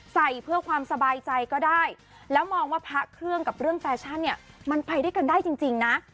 ใส่เพื่อความสบายใจก็ได้แล้วมองว่าพระเครื่องกับเรื่องแฟชั่นเนี่ยมันไปด้วยกันได้จริงนะ